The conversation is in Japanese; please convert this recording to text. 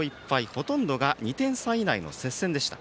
ほとんど２点差以内の接戦でした。